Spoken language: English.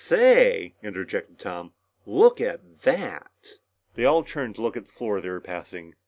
"Say," interjected Tom. "Look at that!" They all turned to look at the floor they were passing.